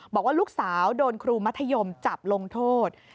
บอกว่าลูกสาวโดนครูมัธยมจับลงโทษ